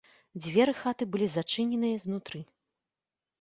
Дзверы хаты былі зачыненыя знутры.